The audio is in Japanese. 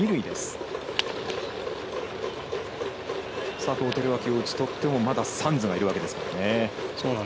佐藤輝明を打ち取ってもまだサンズがいるわけですからね。